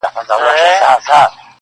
هغه ځان ته نوی ژوند لټوي,